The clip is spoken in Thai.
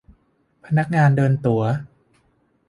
พนักงานเดินตั๋ว